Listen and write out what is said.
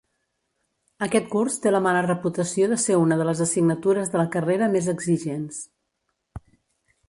Aquest curs té la mala reputació de ser una de les assignatures de la carrera més exigents.